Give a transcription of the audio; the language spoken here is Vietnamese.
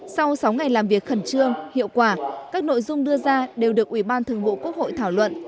sau sáu ngày làm việc khẩn trương hiệu quả các nội dung đưa ra đều được ủy ban thường vụ quốc hội thảo luận